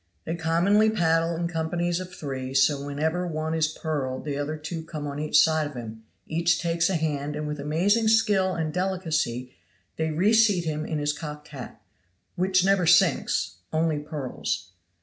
They commonly paddle in companies of three; so then whenever one is purled the other two come on each side of him, each takes a hand and with amazing skill and delicacy they reseat him in his cocked hat, which never sinks only purls.